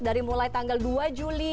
dari mulai tanggal dua juli